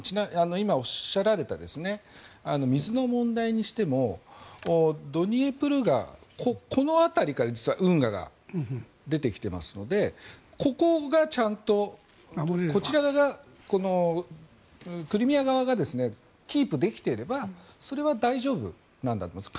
今おっしゃられた水の問題にしてもドニエプル川この辺りから実は運河が出てきていますのでここがちゃんとこちら側クリミア側がキープできていればそれは大丈夫なんだと思います。